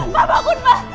pak bangun pak